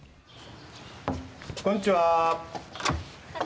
こんにちは。